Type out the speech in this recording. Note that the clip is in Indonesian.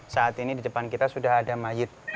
saat ini di depan kita sudah ada mayt